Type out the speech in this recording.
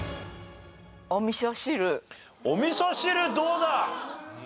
お味噌汁どうだ？